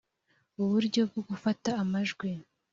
uburyo bwo gufata amajwi